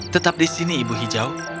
tetap di sini ibu hijau